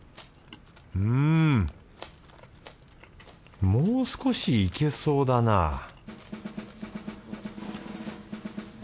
うんもう少しいけそうだなぁ